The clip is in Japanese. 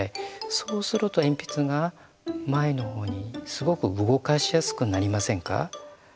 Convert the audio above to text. そうすると鉛筆が前の方にすごく動かしやすくなりませんか？